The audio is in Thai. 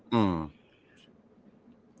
อืม